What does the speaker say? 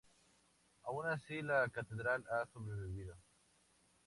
Aun así, la catedral ha sobrevivido.